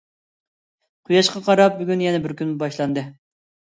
قۇياشقا قاراپ بۈگۈن يەنە بىر كۈن باشلاندى.